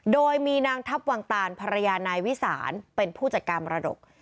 โดยมีนางทัพวังตานภรรยานายวิสานเป็นผู้จัดการมรดก